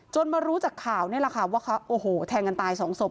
มารู้จากข่าวนี่แหละค่ะว่าเขาโอ้โหแทงกันตายสองศพ